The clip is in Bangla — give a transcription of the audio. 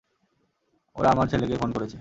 ওরা আমার ছেলেকে খুন করেছে!